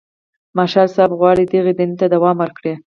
مارشال صاحب غواړي دغې دندې ته دوام ورکړي.